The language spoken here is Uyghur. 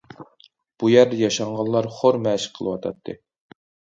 بۇ يەردە ياشانغانلار خور مەشىق قىلىۋاتاتتى.